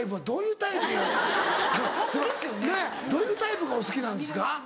どういうタイプがお好きなんですか？